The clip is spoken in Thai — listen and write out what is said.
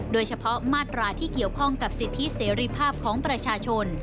โดยเฉพาะมาตราที่เกี่ยวข้องกับสิทธิเสรีภาพของประชาชน